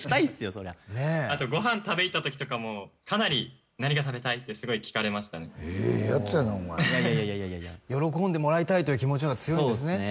そりゃあとご飯食べいった時とかもかなり「何が食べたい？」ってすごい聞かれましたねええやつやなお前いやいやいや喜んでもらいたいという気持ちのが強いんですね